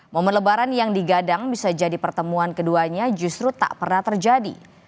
momen lebaran yang digadang bisa jadi pertemuan keduanya justru tak pernah terjadi